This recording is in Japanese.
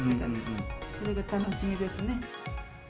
それが楽しみですね。